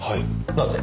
なぜ？